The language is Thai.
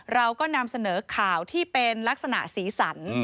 เราก็นำเสนอข่าวที่เป็นลักษณะสีสัน